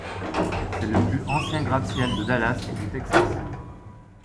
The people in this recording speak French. C'est le plus ancien gratte-ciel de Dallas et du Texas.